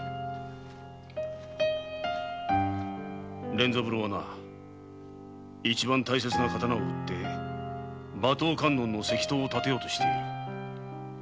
連三郎は大切な刀を売って馬頭観音の石塔を建てようとしている。